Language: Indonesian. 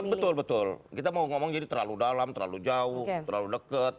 betul betul kita mau ngomong jadi terlalu dalam terlalu jauh terlalu dekat